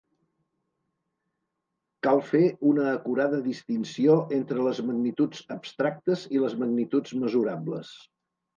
Cal fer una acurada distinció entre les magnituds abstractes i les magnituds mesurables.